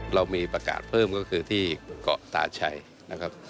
เรามีประกาศเพิ่มก็คือที่เกาะตาชัยนะครับ